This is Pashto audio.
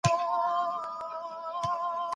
نارنج هم ډیر ویټامینونه لري.